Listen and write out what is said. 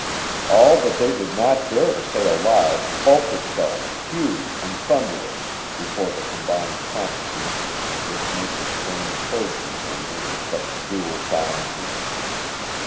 All that they did not dare to say aloud bulked itself, huge and thunderous, before the combined consciousness which makes a strange third companion in such dual silences.